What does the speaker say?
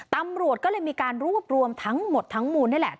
ตำรวจก็เลยมีการรวบรวมทั้งหมดทั้งมูลนี่แหละ